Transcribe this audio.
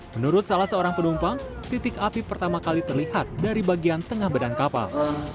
menurut salah seorang penumpang titik api pertama kali terlihat dari bagian tengah badan kapal